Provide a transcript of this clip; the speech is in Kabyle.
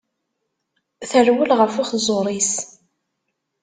Terwel ɣef uxeẓẓur-is.